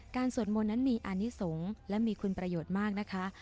สวดมนต์นั้นมีอานิสงฆ์และมีคุณประโยชน์มากนะคะ